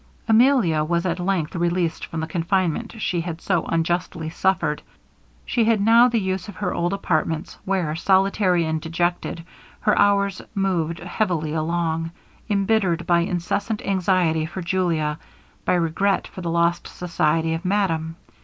Emilia was at length released from the confinement she had so unjustly suffered. She had now the use of her old apartments, where, solitary and dejected, her hours moved heavily along, embittered by incessant anxiety for Julia, by regret for the lost society of madame.